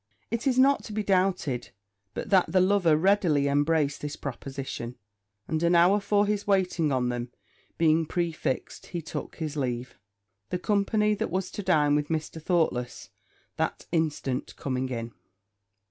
It is not to be doubted but that the lover readily embraced this proposition; and an hour for his waiting on them being prefixed, he took his leave, the company that was to dine with Mr. Thoughtless that instant coming in.